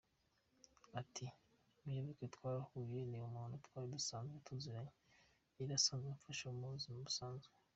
Ati, “Muyoboke twarahuye, ni umuntu twari dusanzwe tuziranye, yari asanzwe amfasha mu buzima busanzwe.